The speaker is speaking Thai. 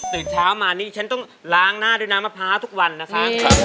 ตื่นเช้ามานี่ฉันต้องล้างหน้าด้วยน้ำมะพร้าวทุกวันนะคะ